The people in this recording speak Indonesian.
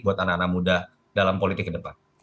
buat anak anak muda dalam politik ke depan